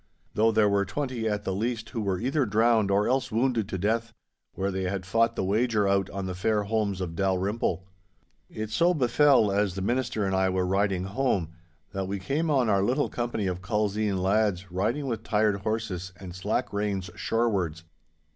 Though there were twenty at the least who were either drowned or else wounded to death, where they had fought the wager out on the fair holms of Dalrymple. It so befel as the Minister and I were riding home, that we came on our little company of Culzean lads riding with tired horses and slack reins shorewards.